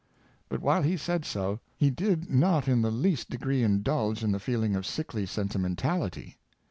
But while he said so, he did not in the least degree indulge in the feeling of sickly sentimentality.